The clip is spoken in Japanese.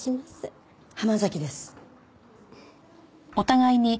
浜崎です。